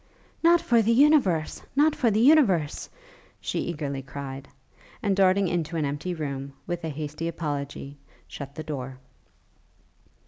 'Not for the universe! Not for the universe!' she eagerly cried, and, darting into an empty room, with a hasty apology, shut the door.